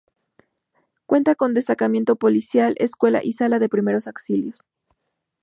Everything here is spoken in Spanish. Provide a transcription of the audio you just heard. Cuenta con destacamento policial, escuela y sala de primeros auxilios.